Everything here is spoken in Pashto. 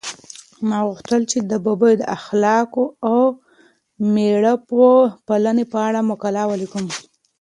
ما غوښتل چې د ببو د اخلاقو او مېړه پالنې په اړه مقاله ولیکم.